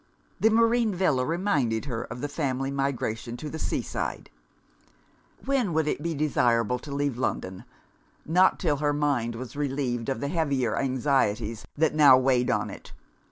The marine villa reminded her of the family migration to the sea side. When would it be desirable to leave London? Not until her mind was relieved of the heavier anxieties that now weighed on it.